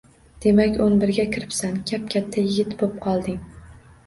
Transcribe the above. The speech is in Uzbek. Demak, oʻn birga kiribsan… Kap-katta yigit boʻp qolding…